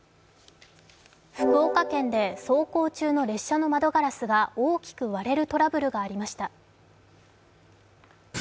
福岡県で走行中の列車の窓ガラスが大きく割れるトラブルがありました。